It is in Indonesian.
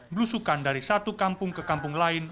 belusukan dari satu kampung ke kampung lain